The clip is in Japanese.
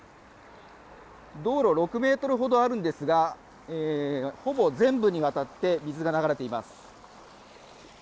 道路６メートルほどあるんですがほぼ全部にわたって水が流れています。